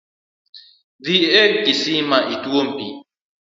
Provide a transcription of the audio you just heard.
Dhi e kisima ituom pii